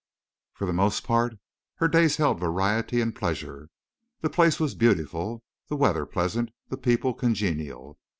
For the most part her days held variety and pleasure. The place was beautiful, the weather pleasant, the people congenial.